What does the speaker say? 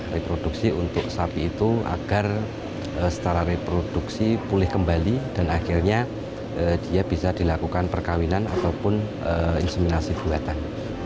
reproduksi untuk sapi itu agar setara reproduksi pulih kembali dan akhirnya dia bisa dilakukan perkawinan ataupun inseminasi buatan